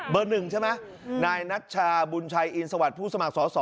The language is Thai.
เบอร์๑ใช่ไหมนายนักชาบุญชายอีนสวัสดิ์ผู้สมัครสอบ